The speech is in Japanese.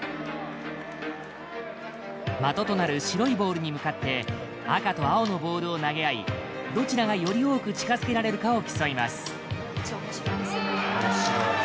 的となる白いボールに向かって赤と青のボールを投げあいどちらがより多く近づけられるかを競います。